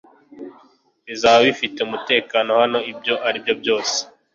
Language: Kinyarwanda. Bizaba bifite umutekano hano ibyo ari byo byose